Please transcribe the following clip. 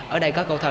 ở đây có câu thầm